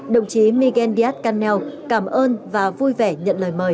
đồng chí miguel nandiyat khanel cảm ơn và vui vẻ nhận lời mời